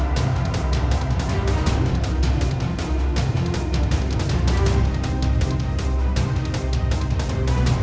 โปรดติดตามตอนต่อไป